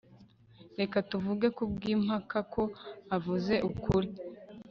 reka tuvuge, kubwimpaka, ko uvuze ukuri